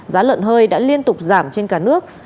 giá lợn hơi đã liên tục giảm trên cả nước